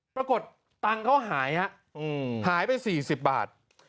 ปรากฏตังค์เขาหายฮะหายไป๔๐บาท